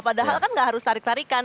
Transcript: padahal kan nggak harus tarik tarikan